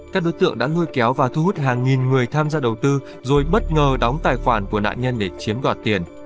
các đối tượng đã nuôi kéo và thu hút hàng nghìn người tham gia đầu tư rồi bất ngờ đóng tài khoản của nạn nhân để chiếm đoạt tiền